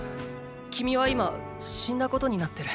君は今死んだことになってる。